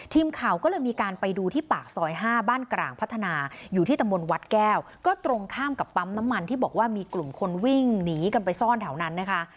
ทีมข่าวก็เลยมีการไปดูที่ปากซอย๕บ้านกลางพัฒนาอยู่ที่ตำบลวัดแก้วก็ตรงข้ามกับปั๊มน้ำมันที่บอกว่ามีกลุ่มคนวิ่งหนีกันไปซ่อนแถวนั้นนะคะ